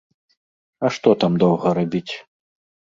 А што там доўга рабіць?